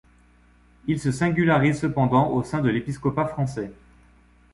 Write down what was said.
Il se singularise cependant au sein de l'épiscopat français.